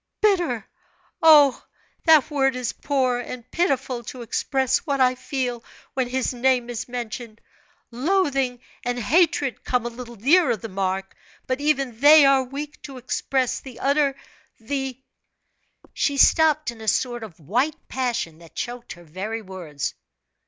"Bitter! Oh, that word is poor and pitiful to express what I feel when his name is mentioned. Loathing and hatred come a little nearer the mark, but even they are weak to express the utter the " She stopped in a sort of white passion that choked her very words.